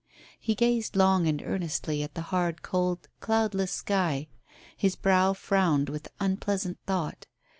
He gazed long and earnestly at the hard, cold, cloudless sky. His brow frowned with unpleasant thought.